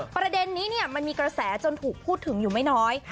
ประเด็นนี้มันมีกระแสจนถูกพูดถึงอยู่ไม่น้อย